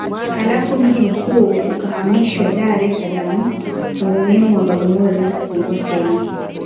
Halafu mji mkuu ukahamishwa Dar es Salaam Umuhimu wa Bagamoyo ulianza kupungua tena